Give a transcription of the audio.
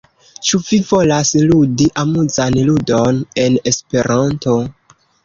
Ĉu vi volas ludi amuzan ludon en Esperanto?